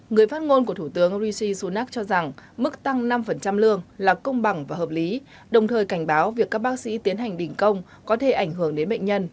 người phát ngôn của thủ tướng rishi sunak cho rằng mức tăng năm lương là công bằng và hợp lý đồng thời cảnh báo việc các bác sĩ tiến hành đình công có thể ảnh hưởng đến bệnh nhân